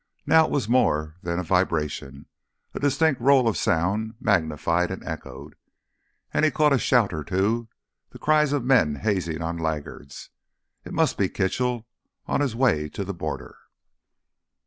Now it was more than vibration, a distinct roll of sound magnified and echoed. And he caught a shout or two, the cries of men hazing on laggers. It must be Kitchell on his way through to the border!